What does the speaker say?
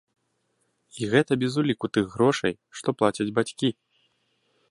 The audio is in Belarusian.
І гэта без уліку тых грошай, што плацяць бацькі.